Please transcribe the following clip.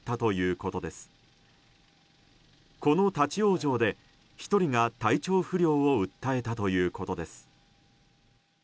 この立ち往生で１人が体調不良を訴えたということです。